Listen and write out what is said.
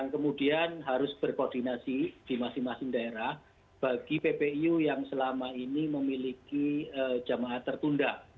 kemudian harus berkoordinasi di masing masing daerah bagi ppu yang selama ini memiliki jamaah tertunda